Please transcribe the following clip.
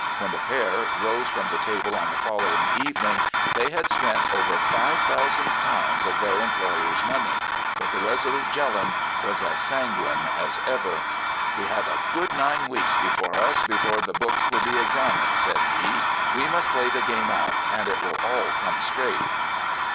When the pair rose from the table on the following evening, they had spent over £5,000 of their employer's money. But the resolute Jelland was as sanguine as ever. "'We have a good nine weeks before us before the books will be examined,' said he. 'We must play the game out, and it will all come straight.